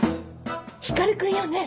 光くんよね。